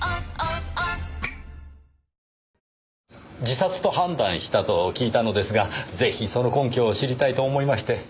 自殺と判断したと聞いたのですがぜひその根拠を知りたいと思いまして。